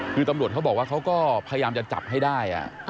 คือตำรวจเขาบอกว่าเขาก็พยายามจะจับให้ได้